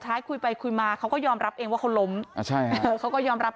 ท้ายคุยไปคุยมาเขาก็ยอมรับเองว่าเขาล้มเขาก็ยอมรับ